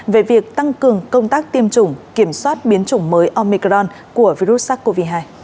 về việc tăng cường công tác tiêm chủng kiểm soát biến chủng mới omicron của virus sars cov hai